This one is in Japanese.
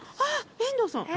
遠藤さん。